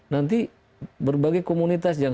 nanti berbagai komunitas yang